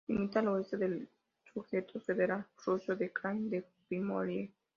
Limita al oeste con el sujeto federal ruso de Krai de Primorie.